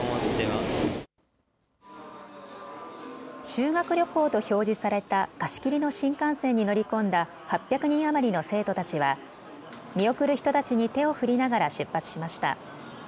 修学旅行と表示された貸し切りの新幹線に乗り込んだ８００人余りの生徒たちは見送る人たちに手を振りながら出発しました。